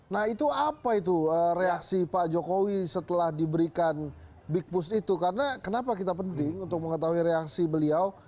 nah itu apa itu reaksi pak jokowi setelah diberikan big push itu karena kenapa kita penting untuk mengetahui reaksi beliau